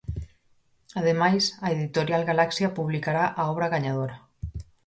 Ademais, a editorial Galaxia publicará a obra gañadora.